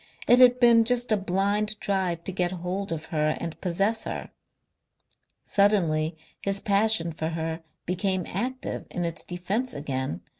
It had been just a blind drive to get hold of her and possess her.... Suddenly his passion for her became active in its defence again.